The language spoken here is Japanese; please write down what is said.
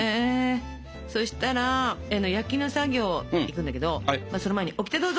そしたら焼きの作業いくんだけどその前にオキテどうぞ！